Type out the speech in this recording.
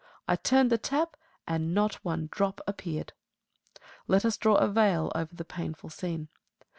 I turned the tap, and not one drop appeared. Let us draw a veil over the painful scene.